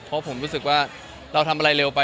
เพราะผมรู้สึกว่าเราทำอะไรเร็วไป